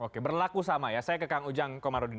oke berlaku sama ya saya ke kang ujang komarudin